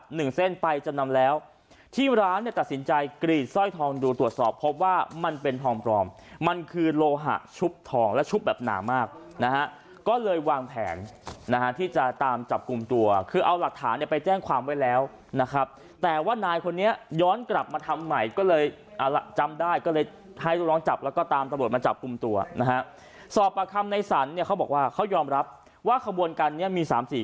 หนึ่งเส้นไปจำนำแล้วที่ร้านเนี้ยตัดสินใจกรีดสร้อยทองดูตรวจสอบพบว่ามันเป็นทองปลอมมันคือโลหะชุบทองและชุบแบบหนามากนะฮะก็เลยวางแผนนะฮะที่จะตามจับกลุ่มตัวคือเอาหลักฐานเนี้ยไปแจ้งความไว้แล้วนะครับแต่ว่านายคนนี้ย้อนกลับมาทำใหม่ก็เลยอ่าละจำได้ก็เลยให้ลูกน้องจับแล้วก็ตาม